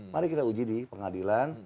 mari kita uji di pengadilan